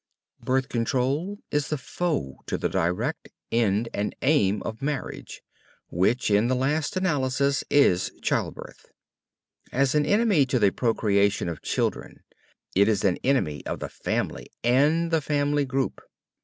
"Birth control" is the foe to the direct end and aim of marriage, which, in the last analysis, is childbirth. As an enemy to the procreation of children it is an enemy of the family and the family group.